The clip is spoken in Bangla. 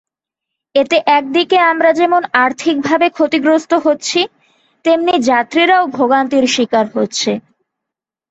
এতে একদিকে আমরা যেমন আর্থিকভাবে ক্ষতিগ্রস্ত হচ্ছি, তেমনি যাত্রীরাও ভোগান্তির শিকার হচ্ছে।